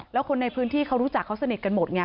แล้วคนในพื้นที่เขารู้จักเขาสนิทกันหมดไง